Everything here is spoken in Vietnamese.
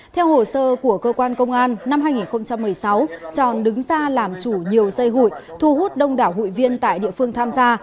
theo hồ sơ của cơ quan công an năm hai nghìn một mươi sáu tròn đứng ra làm chủ nhiều dây hụi thu hút đông đảo hụi viên tại địa phương tham gia